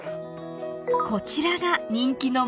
［こちらが人気の］